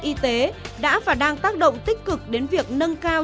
y tế đã và đang tác động tích cực đến việc nâng cao